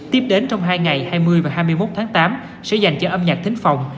tiếp đến trong hai ngày hai mươi và hai mươi một tháng tám sẽ dành cho âm nhạc thính phòng